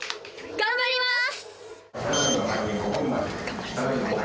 頑張ります。